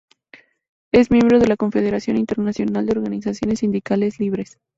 Es miembro de la Confederación Internacional de Organizaciones Sindicales Libres.